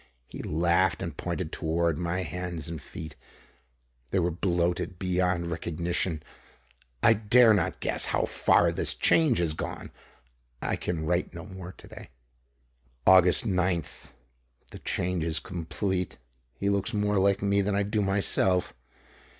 He laughed and pointed toward my hands and feet. They were bloated beyond recognition. I dare not guess how far this change has gone. I can write no more today. Aug. 9th. The change is complete. He looks more like me than I do myself.